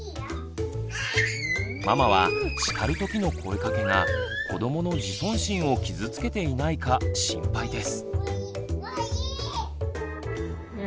ママは叱る時の声かけが子どもの自尊心を傷つけていないか心配です。